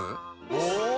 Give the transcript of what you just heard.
お！